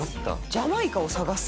ジャマイカを探す？